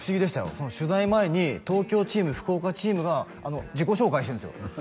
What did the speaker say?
その取材前に東京チーム福岡チームが自己紹介してるんですよ